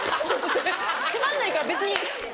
閉まんないから別に。